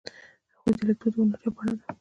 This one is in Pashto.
د هغوی لیکدود د هنر یوه بڼه ده.